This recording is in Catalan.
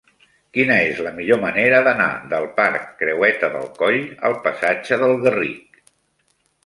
Quina és la millor manera d'anar del parc Creueta del Coll al passatge del Garric?